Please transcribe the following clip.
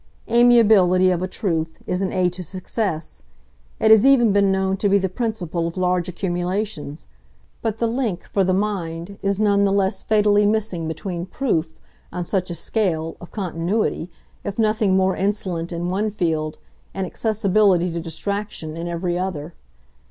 Amiability, of a truth, is an aid to success; it has even been known to be the principle of large accumulations; but the link, for the mind, is none the less fatally missing between proof, on such a scale, of continuity, if of nothing more insolent, in one field, and accessibility to distraction in every other.